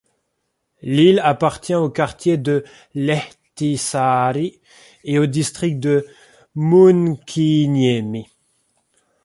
L'île appartient au quartier de Lehtisaari et au district de Munkkiniemi.